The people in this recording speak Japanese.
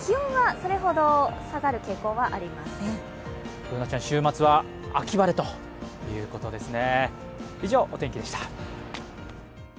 Ｂｏｏｎａちゃん、週末は秋晴れということですね。